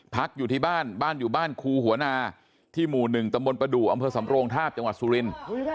อยู่ที่บ้านบ้านอยู่บ้านครูหัวนาที่หมู่๑ตำบลประดูกอำเภอสำโรงทาบจังหวัดสุรินทร์